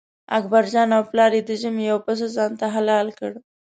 اکبرجان او پلار یې د ژمي یو پسه ځانته حلال کړ.